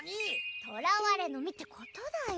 とらわれの身って事だよ。